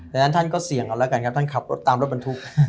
ดังนั้นท่านก็เสี่ยงเอาแล้วกันครับท่านขับรถตามรถบรรทุก